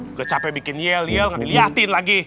nggak capek bikin yel yel nggak diliatin lagi